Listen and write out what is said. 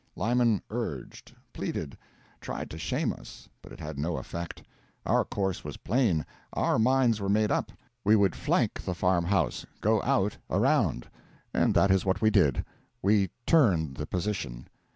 Lyman urged, pleaded, tried to shame us, but it had no effect. Our course was plain, our minds were made up: we would flank the farmhouse go out around. And that is what we did. We turned the position.